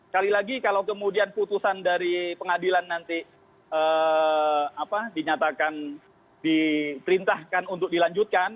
kali lagi kalau kemudian putusan dari pengadilan nanti dinyatakan diperintahkan untuk dilanjutkan